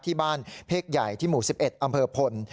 ที่บ้านเพศใหญ่ที่หมู่๑๑อำเภอพล